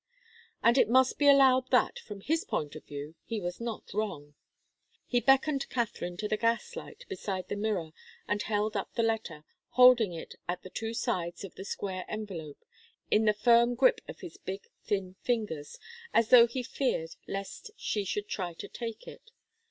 And it must be allowed that, from his point of view, he was not wrong. He beckoned Katharine to the gas light beside the mirror and held up the letter, holding it at the two sides of the square envelope in the firm grip of his big, thin fingers, as though he feared lest she should try to take it.